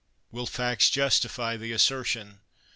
"Will facts justify the assertion?